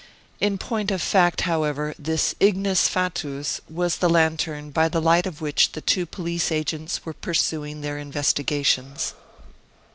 In point of fact, however, this ignis fatuus was the lantern by the light of which the two police agents were pursuing their investigations.